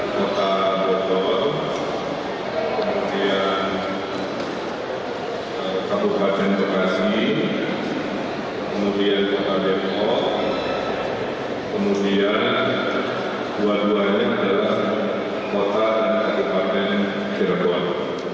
kota bogor kabupaten bekasi depok dan kota kepaten cirebon